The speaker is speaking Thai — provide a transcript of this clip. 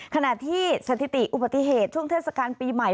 ขณะที่สถิติอุบัติเหตุช่วงเทศกาลปีใหม่